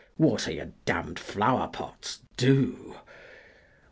Water your damned flower pots, do!